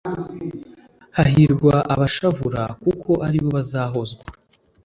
Hahirwa abashavura Kuko ari bo bazahozwa